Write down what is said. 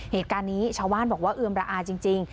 เหตุการณ์นี้ชาวบ้านบอกว่าเอือมระอาจริง